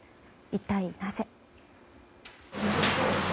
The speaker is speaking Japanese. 一体なぜ？